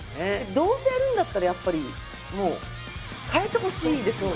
どうせやるんだったらやっぱりもう変えてほしいですもんね。